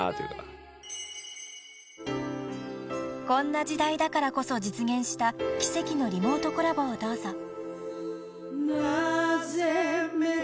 ［こんな時代だからこそ実現した奇跡のリモートコラボをどうぞ］